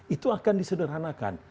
itu akan disederhanakan